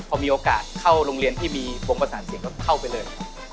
พอมีโอกาสเข้าโรงเรียนที่มีโปรงประสานเสียงก็เข้าไปเลย